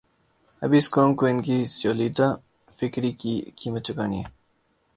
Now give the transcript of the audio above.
ابھی اس قوم کوان کی ژولیدہ فکری کی قیمت چکانی ہے۔